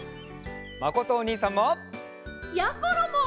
まことおにいさんも！やころも！